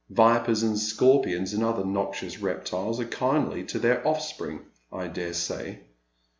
Vipers and scorpions and other noxiouB reptiles *io kindly to their offspring, I dare say.